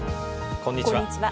こんにちは。